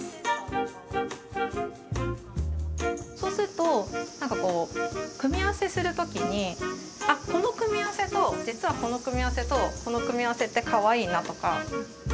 そうするとなんかこう組み合わせする時にあこの組み合わせと実はこの組み合わせとこの組み合わせってかわいいなとか。